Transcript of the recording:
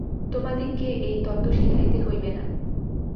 তোমাদিগকে এই তত্ত্ব শিখাইতে হইবে না।